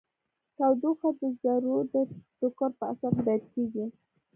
تودوخه د ذرو د ټکر په اثر هدایت کیږي.